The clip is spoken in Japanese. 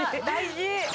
大事